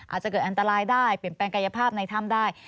อาจจะเกิดอันตรายได้เปลี่ยนแปลงกายภาพในถ้ำได้